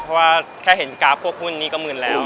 เพราะว่าแค่เห็นกราฟพวกหุ้นนี้ก็หมื่นแล้ว